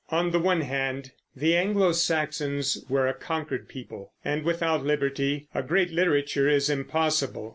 On the one hand the Anglo Saxons were a conquered people, and without liberty a great literature is impossible.